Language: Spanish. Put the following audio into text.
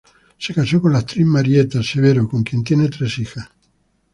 Se casó con la actriz Marieta Severo, con quien tiene tres hijas.